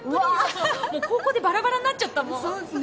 高校でバラバラになっちゃったもん。